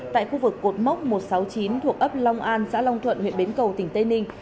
tại khu vực cột mốc một trăm sáu mươi chín thuộc ấp long an xã long thuận huyện bến cầu tỉnh tây ninh